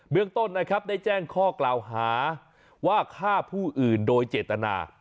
เรื่องต้นนะครับได้แจ้งข้อกล่าวหาว่าฆ่าผู้อื่นโดยเจตนา